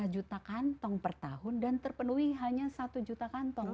lima juta kantong per tahun dan terpenuhi hanya satu juta kantong